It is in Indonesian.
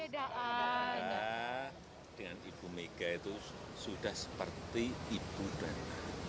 dengan ibu mega itu sudah seperti ibu dana